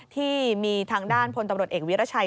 ที่มีทางด้านพลตำรวจเอกวิรัชัย